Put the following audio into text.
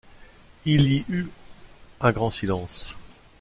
Il y eut un grand silence.